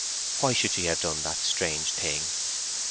Why should she have done that strange thing?